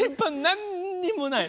何にもない！